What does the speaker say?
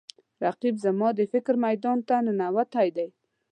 رقیب زما د فکر میدان ته ننوتی دی